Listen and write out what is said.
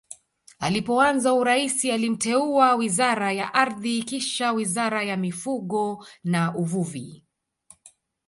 Alipoanza urais alimteua Wizara ya Ardhi kisha Wizara ya Mifugo na Uvuvi